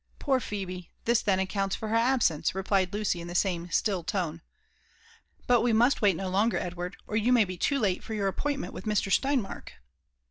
Poor Phel^ ! tiiis then accounts for her absence," replied Lucy in the same still tone. But we most wait no longer, Edwiard, or ycra IMy be too lale" for your appointmeot with Mr. Steinmark.